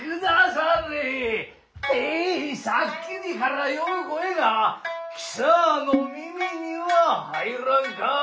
ええいさっきびから呼ぶ声が貴様の耳には入らぬかあ！